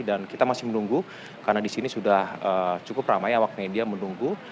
dan kita masih menunggu karena di sini sudah cukup ramai awak media menunggu